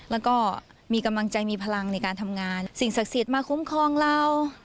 แล้วก็มีกำลังใจมีพลังในการทำงานสิ่งศักดิ์สิทธิ์มาคุ้มครองเรา